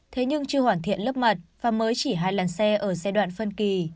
thế nhưng chưa hoàn thiện lớp mật và mới chỉ hai làn xe ở giai đoạn phân kỳ